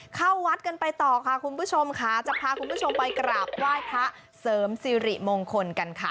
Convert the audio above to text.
เข้าวัดกันไปต่อค่ะคุณผู้ชมค่ะจะพาคุณผู้ชมไปกราบไหว้พระเสริมสิริมงคลกันค่ะ